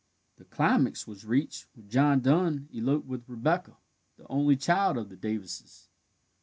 The climax was reached when John Dun eloped with Rebecca, the only child of the Davises.